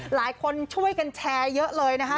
หลายคนช่วยกันแชร์เยอะเลยนะคะ